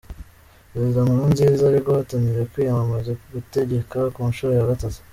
Perezida Nkurunziza ari guhatanira kwiyamamaza gutegeka ku nshuro ya gatatu.